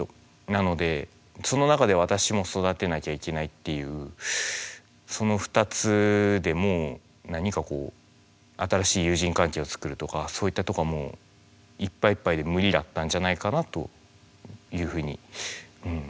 なのでその中で私も育てなきゃいけないっていうその２つでもう何かこう新しい友人関係を作るとかそういったとこはもういっぱいいっぱいで無理だったんじゃないかなというふうにうん